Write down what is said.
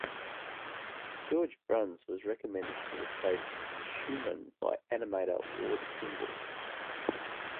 George Bruns was recommended to replace Schumannn by animator Ward Kimball.